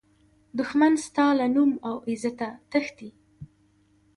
دښمن ستا له نوم او عزته تښتي